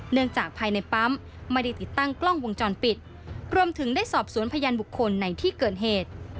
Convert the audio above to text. จากภายในปั๊มไม่ได้ติดตั้งกล้องวงจรปิดรวมถึงได้สอบสวนพยานบุคคลในที่เกิดเหตุ